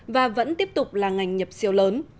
và vẫn tiếp tục là ngành nhập siêu lớn